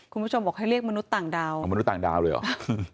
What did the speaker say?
คุณผู้ชมบอกให้เรียกมนุษย์ต่างดาวมนุษย์ต่างดาวเลยเหรอ